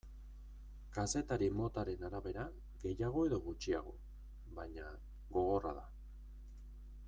Kazetari motaren arabera gehiago edo gutxiago, baina, gogorra da.